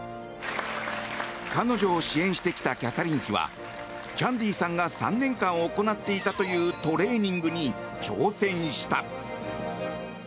彼女を支援してきたキャサリン妃はチャンディさんが３年間行っていたというトレーニングに挑戦した。